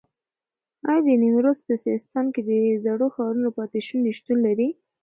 ایا د نیمروز په سیستان کې د زړو ښارونو پاتې شونې شتون لري؟